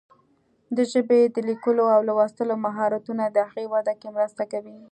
د ژبې د لیکلو او لوستلو مهارتونه د هغې وده کې مرسته کوي.